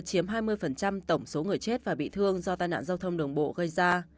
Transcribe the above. chiếm hai mươi tổng số người chết và bị thương do tai nạn giao thông đường bộ gây ra